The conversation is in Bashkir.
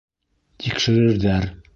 — Тикшерерҙәр.